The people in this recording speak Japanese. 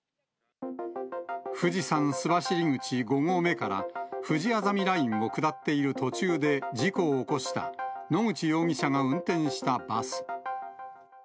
富士山須走口５合目からふじあざみラインを下っている途中で事故を起こした野口容疑者が運転したバス。